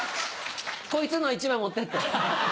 こいつの１枚持ってって。